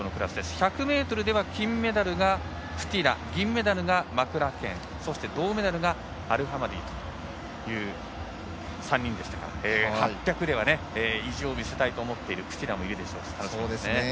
１００ｍでは金メダルがクティラ銀メダルがマクラケン銅メダルがアルハマディという３人でしたが８００ｍでは意地を見せたいと思っているクティラもいるでしょうし楽しみですね。